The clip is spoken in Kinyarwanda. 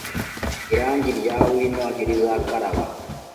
Irangi rya wino ntirizakaraba.